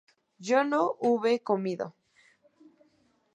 yo no hube comido